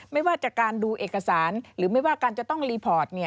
ไม่ว่าจากการดูเอกสารหรือไม่ว่าการจะต้องรีพอร์ต